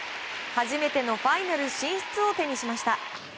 初めてのファイナル進出を手にしました。